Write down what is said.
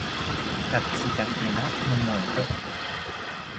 Katzitakena nomoeto